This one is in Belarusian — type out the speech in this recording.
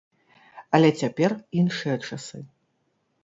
Але цяпер іншыя часы.